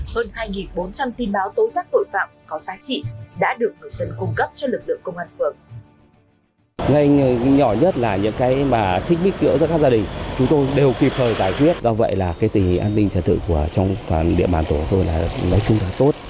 hơn hai bốn trăm linh tin báo tố giác tội phạm có giá trị đã được ngư dân cung cấp cho lực lượng công an phường